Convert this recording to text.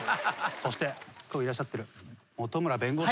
そして今日いらっしゃってる本村弁護士も東京大学出身。